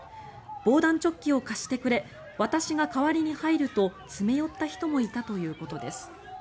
防弾チョッキを貸してくれ私が代わりに入ると詰め寄った人もいたということです。